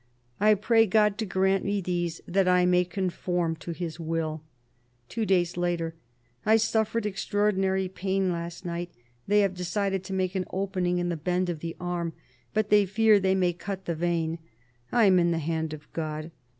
I pray God to grant me these, that I may conform to His will." Two days later :" I suffered extraordinary pain last night. ... They have decided to make an opening in the bend of the arm. But they fear they may cut the vein. I am in the hand of God.